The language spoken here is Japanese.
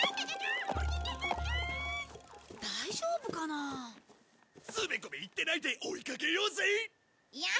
大丈夫かなあ？